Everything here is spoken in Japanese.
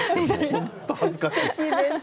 本当に恥ずかしい。